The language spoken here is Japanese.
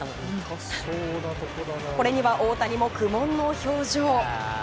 これには大谷も苦悶の表情。